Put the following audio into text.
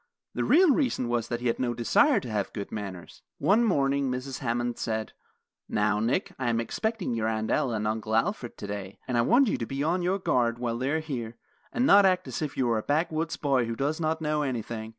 The real reason was that he had no desire to have good manners. One morning Mrs. Hammond said: "Now, Nick, I am expecting your Aunt Ella and Uncle Alfred today, and I want you to be on your guard while they are here, and not act as if you were a backwoods boy who does not know anything.